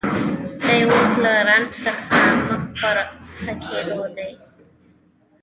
دی اوس له زنځ څخه مخ پر ښه کېدو دی